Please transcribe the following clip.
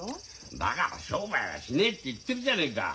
だから商売はしねえって言ってるじゃねえか。